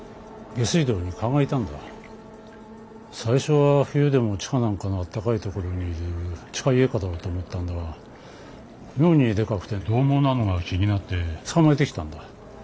最初は冬でも地下なんかのあったかい所にいるチカイエカだろうと思ったんだが妙にでかくて獰猛なのが気になって捕まえてきたんだ。